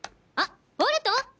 あっボルト！